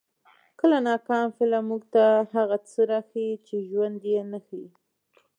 کله ناکله فلم موږ ته هغه څه راښيي چې ژوند یې نه ښيي.